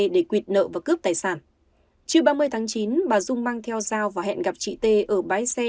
để quyệt nợ và cướp tài sản chưa ba mươi tháng chín bà dung mang theo dao và hẹn gặp chị t ở bái xe